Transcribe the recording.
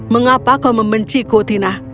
mengapa kau membenciku tina